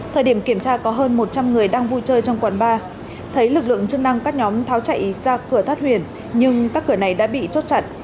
thời điểm kiểm tra có hơn một trăm linh người đang vui chơi trong quán bar thấy lực lượng chức năng các nhóm tháo chạy ra cửa thoát huyền nhưng các cửa này đã bị chốt chặn